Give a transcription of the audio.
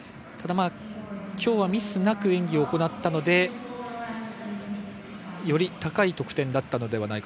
今日はミスなく演技を行ったのでより高い得点だったのではないか。